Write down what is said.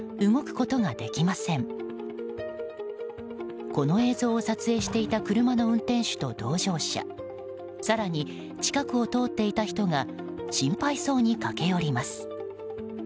この映像を撮影していた車の運転手と同乗者更に、近くを通っていた人が心配そうに駆け寄ります。